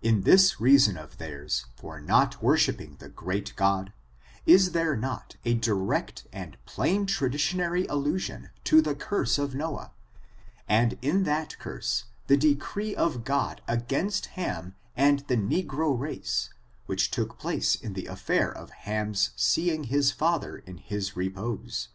In this reason of theirs, for not worship ing that great God, is there not a direct and plain tra ditionary allusion to the curse of Noah, and in that curse the decree of God against Ham and the negro race, which took place in the affair of Ham's seeing his father in his repose.